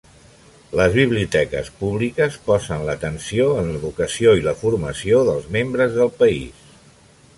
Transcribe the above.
Les biblioteques públiques posen l'atenció en l'educació i la formació dels membres del país.